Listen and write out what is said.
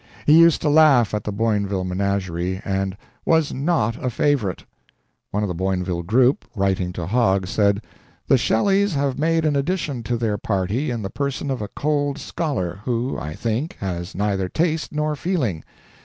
He used to laugh at the Boinville menagerie, and "was not a favorite." One of the Boinville group, writing to Hogg, said, "The Shelleys have made an addition to their party in the person of a cold scholar, who, I think, has neither taste nor feeling.